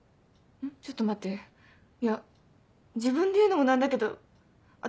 ちょっと待っていや自分で言うのも何だけど私